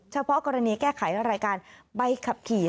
เฉพาะกรณีแก้ไขรายการใบขับขี่